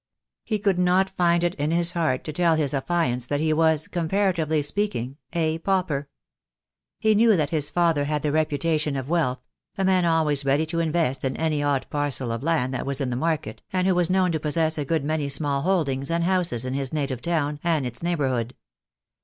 He could not find it in his heart to tell his affianced that he was, comparatively speaking, a pauper. He knew that his father had the reputation of wealth, a man always ready to invest in any odd parcel of land that was in the market, and who was known to possess a good many small holdings and houses in his native town and its neighbourhood.